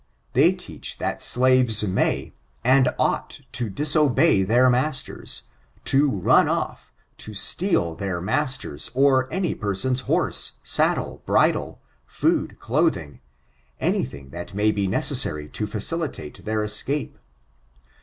They teach that slavee maj, and ought to disobey their masters— to nm oC to steal their master^ or any person's hone, saddle^ bridle, food, dodiing, anything that may be necessary to fecilitate their escape.